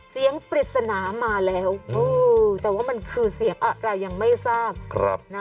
ปริศนามาแล้วแต่ว่ามันคือเสียงอะไรยังไม่ทราบ